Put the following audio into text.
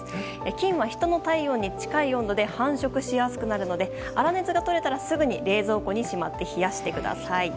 菌は人の体温に近い温度で繁殖しやすくなるので粗熱がとれたらすぐに冷蔵庫にしまって冷やしてください。